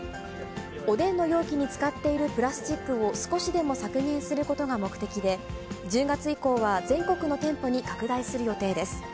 おでんの容器に使っているプラスチックを少しでも削減することが目的で、１０月以降は全国の店舗に拡大する予定です。